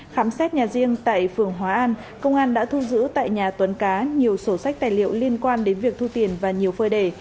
khám xét nhà riêng tại phường hóa an công an đã thu giữ tại nhà tuấn cá nhiều sổ sách tài liệu liên quan đến việc thu tiền và nhiều phơi đề